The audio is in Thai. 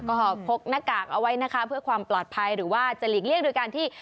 ก็พกหน้ากากเอาไว้นะคะเพื่อความปลอดภัยหรือว่าจะหลีกเลี่ยงโดยการที่